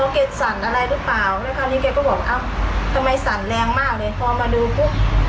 ก็เลยมาตรวจดู